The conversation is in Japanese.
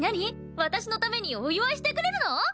私のためにお祝いしてくれるの！？